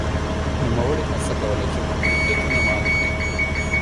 نوموړي هڅه کوله چې محدودیتونه مات کړي.